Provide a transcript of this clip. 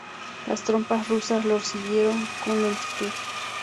Las tropas rusas los siguieron con lentitud.